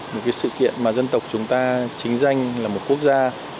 một cái sự kiện mà dân tộc chúng ta chính danh là một quốc gia